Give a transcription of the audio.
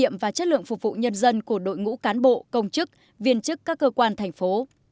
kiểm nghiệm và chất lượng phục vụ nhân dân của đội ngũ cán bộ công chức viên chức các cơ quan thành phố